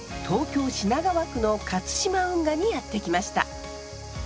東京・品川区の勝島運河にやって来ました。